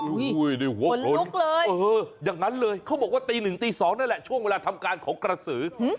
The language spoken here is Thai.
ดูหัวผลอย่างนั้นเลยเขาบอกว่าตีหนึ่งตี๒นั่นแหละช่วงเวลาทำการของกระสือ